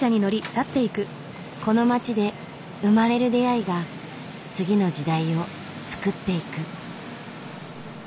この街で生まれる出会いが次の時代をつくっていく。